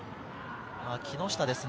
木下ですね。